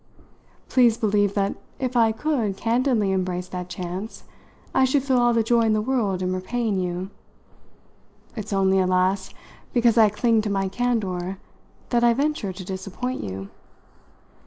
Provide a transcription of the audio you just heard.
Please believe that if I could candidly embrace that chance I should feel all the joy in the world in repaying you. It's only, alas! because I cling to my candour that I venture to disappoint you.